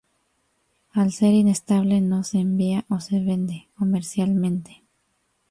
Al ser inestable, no se envía o se vende comercialmente.